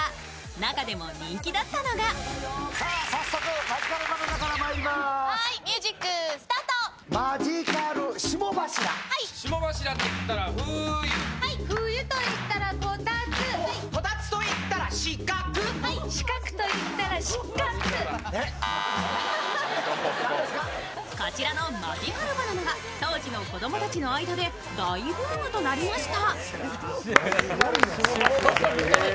中でも人気だったのがこちらのマジカルバナナは当時の子供たちの間で大ブームとなりました。